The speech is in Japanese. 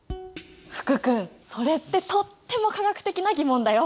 福君それってとっても化学的な疑問だよ！